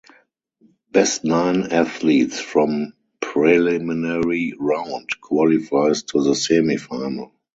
Best nine athletes from preliminary round qualifies to the semifinal.